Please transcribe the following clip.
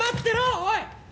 おい」